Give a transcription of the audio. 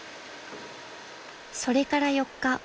［それから４日］